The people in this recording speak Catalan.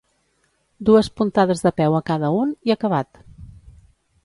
Dues puntades de peu a cada un, i acabat.